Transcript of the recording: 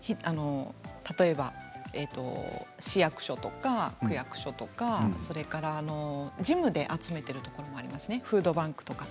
例えば市役所とか区役所とかジムで集めているところもあります、フードバンクとか。